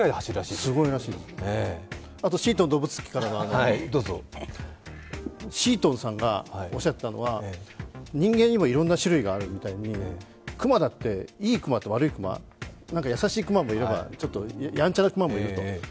あとシートン動物記から、シートンさんがおっしゃっていたのは、人間にもいろんな種類があるみたいに熊だって、いい熊と悪い熊優しい熊もいればやんちゃな熊もいると。